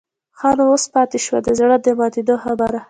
ښه نو اوس پاتې شوه د زړه د ماتېدو خبره.